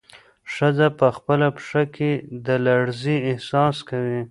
ښځه په خپله پښه کې د لړزې احساس کوي.